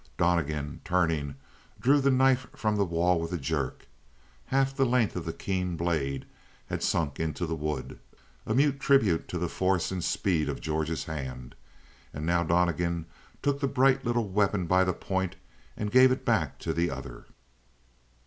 Donnegan, turning, drew the knife from the wall with a jerk. Half the length of the keen blade had sunk into the wood a mute tribute to the force and speed of George's hand and now Donnegan took the bright little weapon by the point and gave it back to the other.